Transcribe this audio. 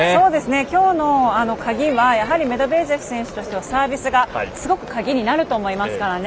今日の鍵はやはりメドベージェフ選手としてはサービスがすごく鍵になると思いますからね。